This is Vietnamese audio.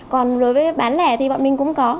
còn đối với bán lẻ thì bọn mình cũng có